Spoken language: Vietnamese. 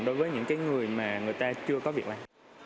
đối với những người mà người ta chưa có việc làm